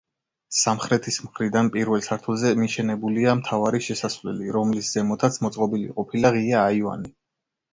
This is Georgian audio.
სამხრეთის მხრიდან პირველ სართულზე მიშენებულია მთავარი შესასვლელი, რომლის ზემოთაც მოწყობილი ყოფილა ღია აივანი.